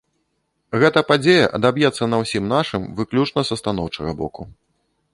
Гэта падзея адаб'ецца на ўсім нашым выключна са станоўчага боку.